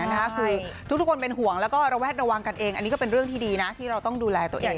คือทุกคนเป็นห่วงแล้วก็ระแวดระวังกันเองอันนี้ก็เป็นเรื่องที่ดีนะที่เราต้องดูแลตัวเอง